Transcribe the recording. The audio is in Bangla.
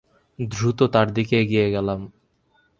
দ্রুত তার দিকে এগিয়ে গেলাম।